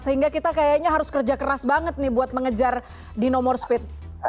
sehingga kita kayaknya harus kerja keras banget nih buat mengejar di no more split